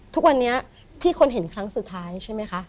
ทุกวันนี้ที่คนเห็นครั้งสุดท้ายใช่ไหมคะ